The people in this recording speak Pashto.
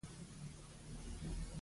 دا بهیر دا کار نه شي کولای